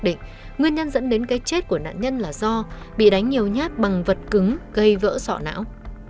xác định nguyên nhân dẫn đến cái chết của nạn nhân là do bị đánh nhiều nhát bằng vật cứng gây vỡ sọ não